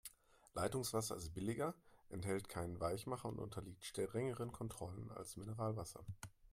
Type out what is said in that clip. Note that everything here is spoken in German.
Leitungswasser ist billiger, enthält keinen Weichmacher und unterliegt strengeren Kontrollen als Mineralwasser.